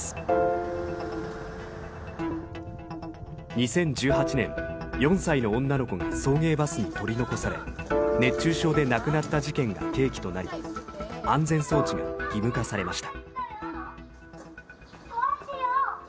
２０１８年４歳の女の子が送迎バスに取り残され熱中症で亡くなった事件が契機となり安全装置が義務化されました。